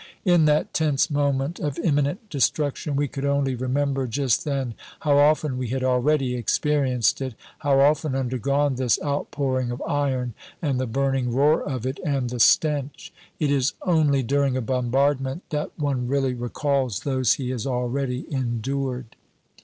In that tense moment of imminent destruction, we could only remember just then how often we had already experienced it, how often undergone this outpouring of iron, and the burning roar of it, and the stench. It is only during a bombardment that one really recalls those he has already endured.